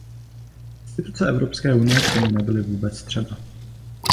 Instituce Evropské unie k tomu nebyly vůbec třeba.